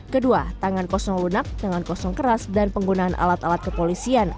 kedua tangan kosong lunak tangan kosong keras dan penggunaan alat alat kepolisian